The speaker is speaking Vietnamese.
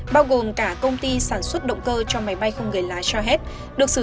bao gồm cả công ty sản xuất động cơ cho máy bay không người lái shahed